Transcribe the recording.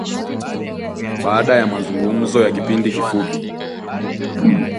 Baada ya mazungumzo ya kipindi kifupi